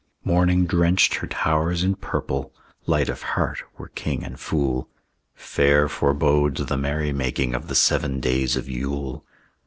Morning drenched her towers in purple; Light of heart were king and fool; Fair forebode the merrymaking Of the seven days of Yule.